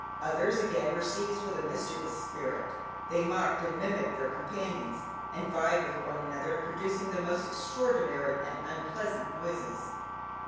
Others again were seized with a mischievous spirit; they mocked and mimicked their companions, and vied with one another in producing the most extraordinary and unpleasant noises.